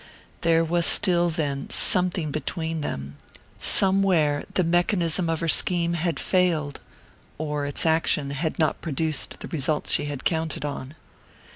There was still, then, something "between" them: somewhere the mechanism of her scheme had failed, or its action had not produced the result she had counted on.